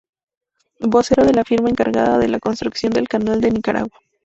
Vocero de la firma encargada de la construcción del Canal de Nicaragua.